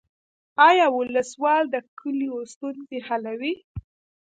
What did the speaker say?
آیا ولسوال د کلیو ستونزې حلوي؟